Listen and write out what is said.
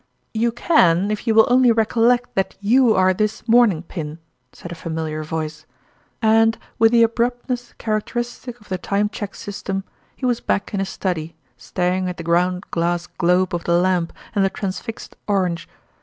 " You can if you will only recollect that you are this mourning pin," said a familiar voice ; and, with the abruptness characteristic of the Time Cheque system, he was back in his study, staring at the ground glass globe of the lamp and the transfixed orange.